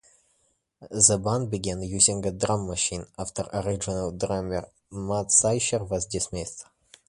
The band began using a drum machine after original drummer Matt Sicher was dismissed.